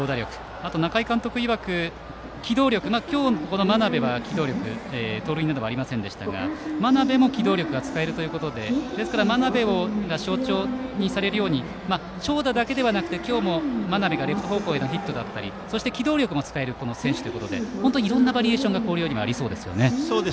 あと中井監督いわく機動力について今日は真鍋は盗塁はありませんでしたが真鍋も機動力が使えるということでですから真鍋が象徴にされるように長打だけではなくて今日も真鍋がレフト方向へのヒットだったり機動力も使える選手ということで本当にいろいろなバリエーション広陵にもありそうですね。